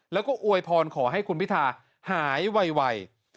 แล้วก็อวยพรขอให้คุณพิทาหายไว